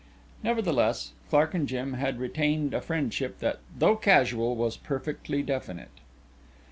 Nevertheless Clark and Jim had retained a friendship that, though casual, was perfectly definite.